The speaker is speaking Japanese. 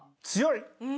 強い。